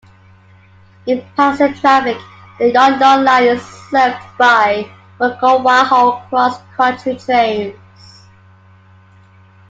In passenger traffic, the Yeongdong Line is served by Mugunghwa-ho cross-country trains.